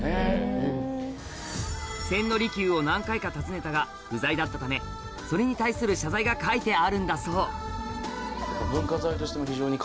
千利休を何回か訪ねたが不在だったためそれに対する謝罪が書いてあるんだそうだと僕は思いますね。